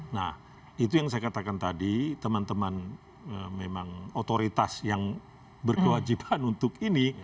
nah itu yang saya katakan tadi teman teman memang otoritas yang berkewajiban untuk ini